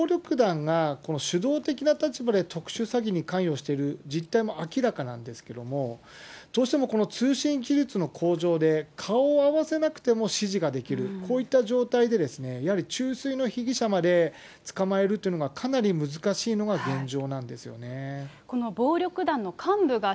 やはりこの暴力団がこのしゅどう的な立場で特殊詐欺に関与しているという実態も明らかなんですけれども、どうしても通信技術の向上で顔を合わせなくても指示ができる、こういった状態で、やはりの被疑者まで捕まえるというのが、かなり難しいのが現状